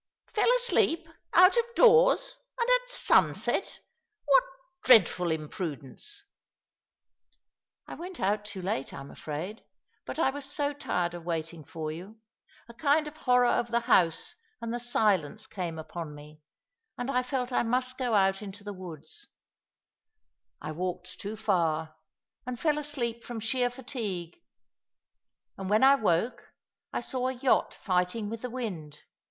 " Fell asleep — out of doors— and at sunset ! What dreadful imprudence." " I went out too late, I'm afraid ; but I was so tired of waiting for you. A kind of horror of the house and the Bilence came upon me— and I felt I must go out into the " The Woods are round us^ 245 woods. I walked too far — and fell asleep from sheer fatigue ; and when I woke I saw a yacht fighting with the wind.